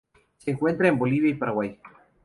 Se encuentra en Bolivia y Paraguay.